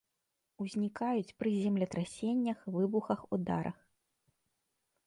Узнікаюць пры землетрасеннях, выбухах, ударах.